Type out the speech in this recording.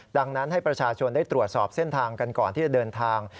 ดังนั้นให้ประชาชนได้ตรวจสอบเส้นทางกันก่อนที่จะเดินทาง